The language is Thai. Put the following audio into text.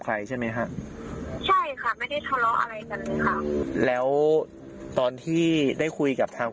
ตกโทรหาทางตอนเที่ยง